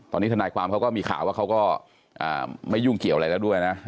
ตอนนี้ทนายความเขาก็มีข่าวว่าเขาก็ไม่ยุ่งเกี่ยวอะไรแล้วด้วยนะ